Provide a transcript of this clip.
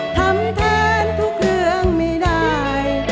ทำแทนทุกเรื่องไม่ได้